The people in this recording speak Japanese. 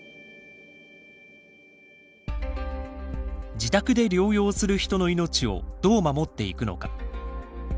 自宅で療養する人の命をどう守っていくのか。